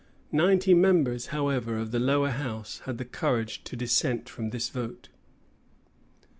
Ninety members, however, of the lower house had the courage to dissent from this vote.